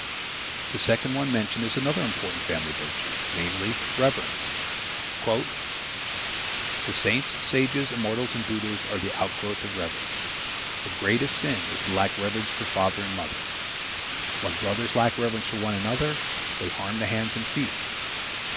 The second one mentioned is another important family virtue, namely, reverence: "The saints, sages, immortals and Buddhas are the outgrowth of reverence. The greatest sin is to lack reverence for father and mother. When brothers lack reverence for one another, they harm the hands and feet.